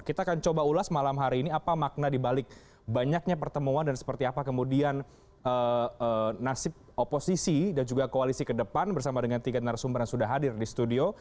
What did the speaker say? kita akan coba ulas malam hari ini apa makna dibalik banyaknya pertemuan dan seperti apa kemudian nasib oposisi dan juga koalisi ke depan bersama dengan tiga narasumber yang sudah hadir di studio